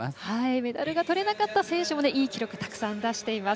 メダルがとれなかった選手もいい成績を出しています。